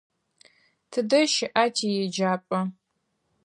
Тыдэ щыӏа тиеджапӏэ?